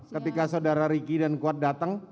ketika saudara ricky dan kuat datang